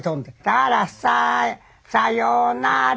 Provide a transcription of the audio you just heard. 「あらさようなら